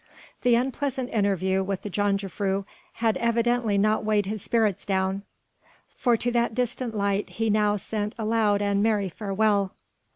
The unpleasant interview with the jongejuffrouw had evidently not weighed his spirits down, for to that distant light he now sent a loud and merry farewell.